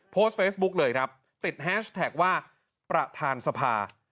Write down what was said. โพสต์เฟซบุ๊คเลยครับติดแฮชแท็กว่าประธานสภา